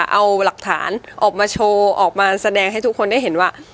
เอาหลักฐานออกมาโชว์ออกมาแสดงให้ทุกคนได้เห็นว่า